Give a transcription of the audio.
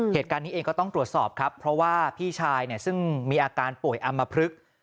เหตุการณ์นี้เองก็ต้องตรวจสอบครับเพราะว่าพี่ชายเนี่ยซึ่งมีอาการป่วยอำมพลึก